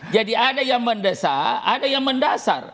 jadi ada yang mendesak ada yang mendasar